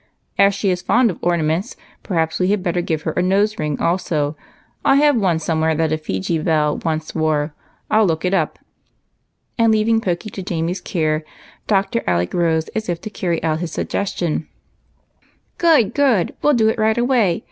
"As she is fond of ornaments, perhaps we had better give her a nose ring also. I have one some where that a Fiji belle once wore; I'll look it up," and, leaving Pokey to Jamie's care, Dr. Alec rose as if to carry out his suggestion in earnest. " Good ! good ! We '11 do it right away